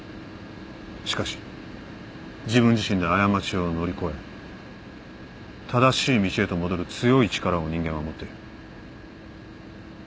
しかし自分自身で過ちを乗り越え正しい道へと戻る強い力を人間は持ってる。